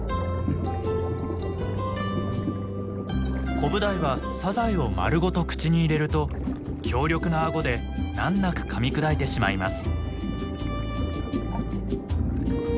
コブダイはサザエを丸ごと口に入れると強力な顎で難なくかみ砕いてしまいます。